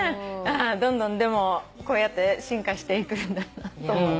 どんどんこうやって進化していくんだなと思った。